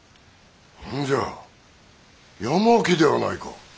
何じゃ八巻ではないか！